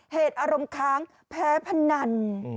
เหตุอารมฆ้างแพ้พนัน